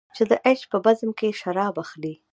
چې د عیش په بزم کې شراب اخلې.